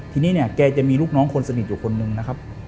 ทีนี้เนี่ยแกจะมีลูกน้องคนสนิทอยู่คนนึงนะครับ